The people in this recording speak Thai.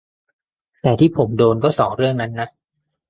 แต่ที่ผมโดนก็สองเรื่องนั้นน่ะ